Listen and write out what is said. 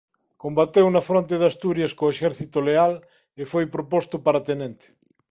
Combateu na fronte de Asturias co exército leal e foi proposto para tenente.